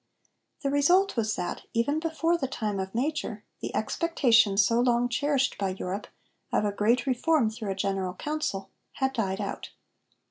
The result was that, even before the time of Major, the expectation, so long cherished by Europe, of a great reform through a great Council had died out.